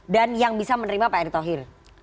dan yang bisa menerima pak erick thohir